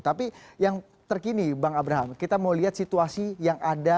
tapi yang terkini bang abraham kita mau lihat situasi yang ada